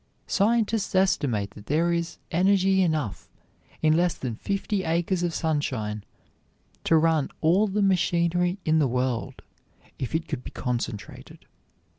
Scientists estimate that there is energy enough in less than fifty acres of sunshine to run all the machinery in the world, if it could be concentrated.